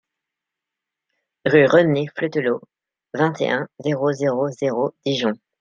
Rue René Fleutelot, vingt et un, zéro zéro zéro Dijon